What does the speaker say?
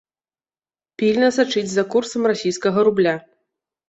Пільна сачыць за курсам расійскага рубля.